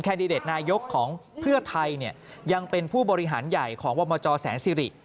ดิเดตนายกของเพื่อไทยยังเป็นผู้บริหารใหญ่ของวมจแสนสิริ